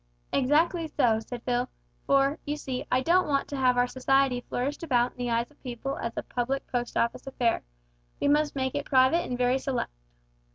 "Exactly so," said Phil, "for, you see, I don't want to have our society flourished about in the eyes of people as a public Post Office affair. We must make it private and very select."